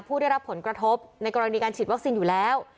ผู้ได้รับผลกระทบในกรณีการฉีดวัคซีนอยู่แล้ว